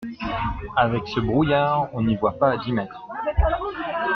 Avec ce brouillard, on n'y voit pas à dix mètres.